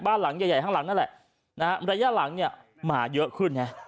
หลังใหญ่ใหญ่ข้างหลังนั่นแหละนะฮะระยะหลังเนี่ยหมาเยอะขึ้นนะ